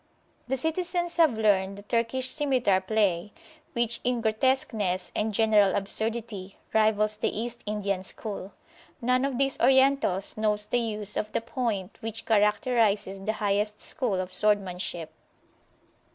The citizens have learned the Turkish scimitar play, which, in grotesqueness and general absurdity, rivals the East Indian school. None of these Orientals knows the use of the point which characterises the highest school of swordsmanship.